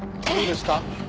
どうですか？